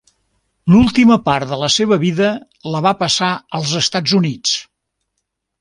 L'última part de la seva vida la va passar als Estats Units.